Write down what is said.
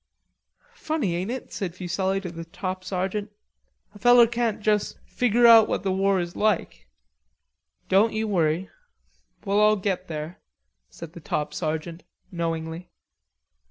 "Funny, ain't it?" said Fuselli to the top sergeant, "a feller can't juss figure out what the war is like." "Don't you worry. We'll all get there," said the top sergeant knowingly.